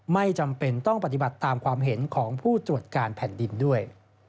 ไม่จำเป็นต้องปฏิบัติตามความเห็นของผู้ตรวจการแผ่นดินด้วย